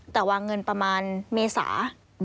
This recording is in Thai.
แต่วางเงินประมาณเมษา